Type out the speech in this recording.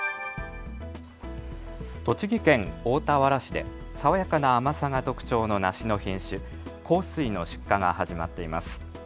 栃木県大田原市で爽やかな甘さが特徴の梨の品種、幸水の出荷が始まっています。